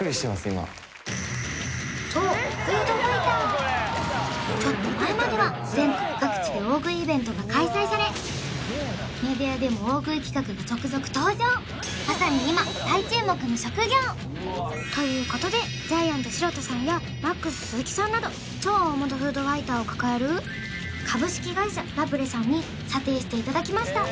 今そうフードファイターちょっと前までは全国各地で大食いイベントが開催されメディアでも大食い企画が続々登場まさに今ということでジャイアント白田さんやＭＡＸ鈴木さんなど超大物フードファイターを抱える株式会社ラプレさんに査定していただきました